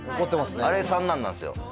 あれ三男なんですよ